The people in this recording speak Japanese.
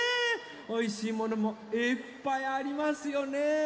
おいしいものもいっぱいありますよね。